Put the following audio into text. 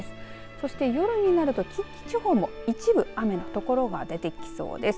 そして夜になると近畿地方も一部雨の所が出てきそうです。